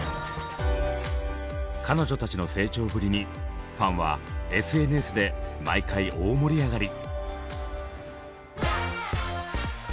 彼女たちの成長ぶりにファンはＳＮＳで毎回大盛り上がり！